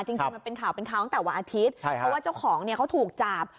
จริงมันเป็นข่าวเป็นข่าวตั้งแต่วันอาทิตย์เพราะว่าเจ้าของเนี่ยเขาถูกจับ